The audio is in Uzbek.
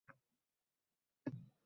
Ha, pushaymon bo‘lganga o‘xshaydi.